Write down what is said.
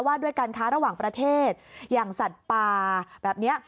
ว่าด้วยการค้าระหว่างประเทศอย่างสัตว์ป่าแบบนี้